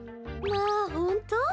まあほんと？